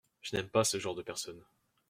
Je n’aime pas ce genre de personnes.